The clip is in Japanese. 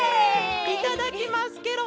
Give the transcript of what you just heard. いただきますケロ！